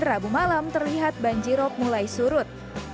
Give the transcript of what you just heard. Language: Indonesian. rabu malam terlihat banjirop mulai surut